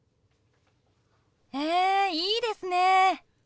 へえいいですね。